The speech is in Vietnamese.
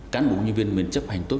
cán bộ nhân viên mình chấp hành tốt